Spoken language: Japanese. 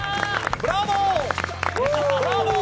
ブラボー！